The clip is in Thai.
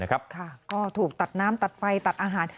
ก็ถูกตัดน้ำตัดไฟตัดอาหาร